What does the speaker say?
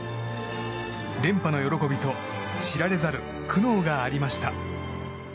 連覇の喜びと知られざる苦悩がありました。